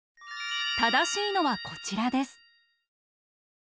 ただしいのはこちらです。